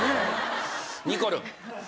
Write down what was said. にこるん。